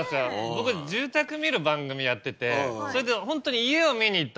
僕住宅見る番組やっててそれでホントに家を見に行った。